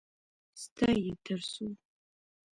_ستا يې تر څو؟